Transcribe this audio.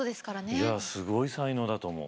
いやすごい才能だと思う。